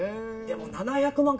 でも７００万